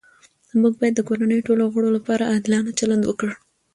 موږ باید د کورنۍ ټولو غړو لپاره عادلانه چلند وکړو